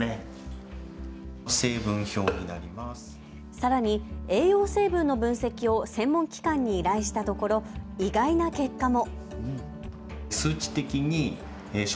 さらに栄養成分の分析を専門機関に依頼したところ意外な結果も。